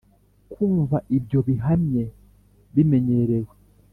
kumva ibyo bihamye, bimenyerewe,